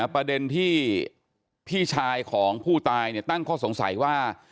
ประเด็นที่พี่ชายของผู้ตายตั้งข้อสงสัยว่า